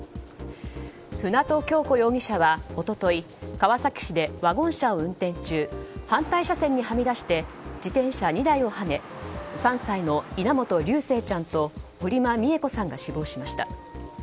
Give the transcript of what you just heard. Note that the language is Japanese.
舟渡今日子容疑者は一昨日川崎市でワゴン車を運転中反対車線にはみ出して自転車２台をはね３歳の稲本琉正ちゃんと堀間美恵子さんが死亡しました。